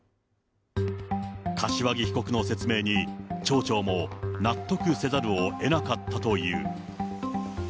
柏木被告の説明に、町長も納得せざるをえなかったという。